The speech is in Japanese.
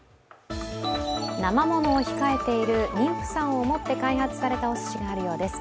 生ものを控えている妊婦さんを思って開発されたお寿司があるそうです。